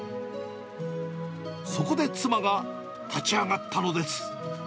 そこで妻が立ち上がったのです。